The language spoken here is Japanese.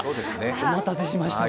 お待たせしました。